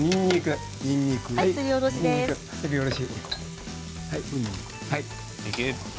すりおろしです。